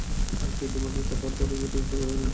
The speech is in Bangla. সে তোমাকে কথার দ্বারাই জাদুগ্রস্ত করে দিতে পারে।